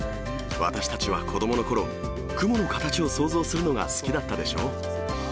私たちは子どものころ、雲の形を想像するのが好きだったでしょう。